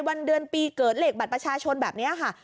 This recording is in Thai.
วันเดือนปีเกิดเลขบัตรประชาชนแบบนี้ค่ะ